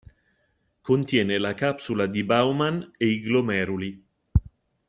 Contiene la capsula di Bowman e glomeruli.